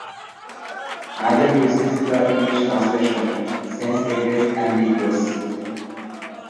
Neither uses the English translation, since it is ambiguous.